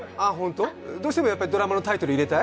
どうしてもドラマのタイトル入れたい？